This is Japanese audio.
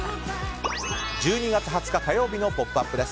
１２月２０日火曜日の「ポップＵＰ！」です。